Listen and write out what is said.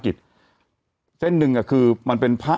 แต่หนูจะเอากับน้องเขามาแต่ว่า